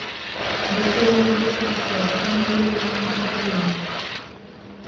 gushyiraho no gushyigikira gahunda y urunana rw urungano